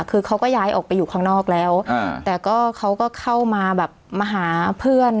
คือเขาก็ย้ายออกไปอยู่ข้างนอกแล้วแต่ก็เขาก็เข้ามาแบบมาหาเพื่อน